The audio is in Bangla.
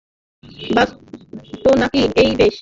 বাজতো নাকি ঐ বেল!